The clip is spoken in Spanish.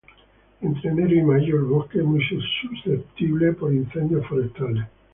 Entre enero y mayo el bosque es muy susceptible por incendios forestales.